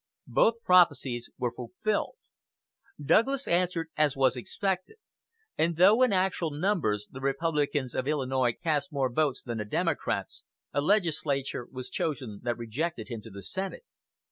Both prophecies were fulfilled. Douglas answered as was expected; and though, in actual numbers, the Republicans of Illinois cast more votes than the Democrats, a legislature was chosen that rejected him to the Senate.